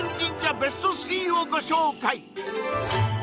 ベスト３をご紹介